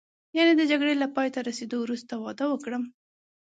یعنې د جګړې له پایته رسېدو وروسته واده وکړم.